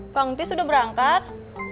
bang tis udah berangkat